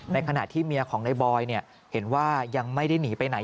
ในขณะที่เมียของในบอยเห็นว่ายังไม่ได้หนีไปไหน